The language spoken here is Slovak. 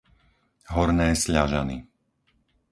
Horné Sľažany